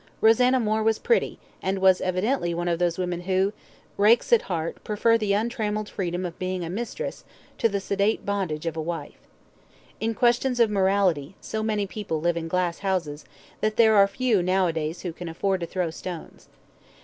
Rosanna Moore was pretty, and was evidently one of those women who rakes at heart prefer the untrammelled freedom of being a mistress, to the sedate bondage of a wife. In questions of morality, so many people live in glass houses, that there are few nowadays who can afford to throw stones.